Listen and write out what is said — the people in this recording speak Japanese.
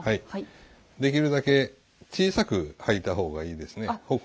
できるだけ小さく掃いた方がいいですね。